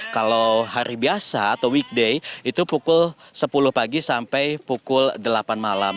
kalau hari biasa atau weekday itu pukul sepuluh pagi sampai pukul delapan malam